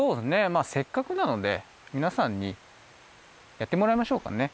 まあせっかくなのでみなさんにやってもらいましょうかね。